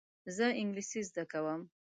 زه انګلیسي زده کوم.